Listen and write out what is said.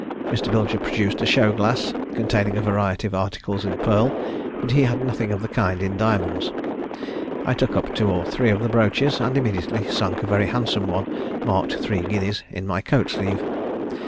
Mr. Bilger produced a show glass, containing a variety of articles in pearl, but he had nothing of the kind in diamonds. I took up two or three of the brooches, and immediately sunk a very handsome one, marked three guineas, in my coat sleeve.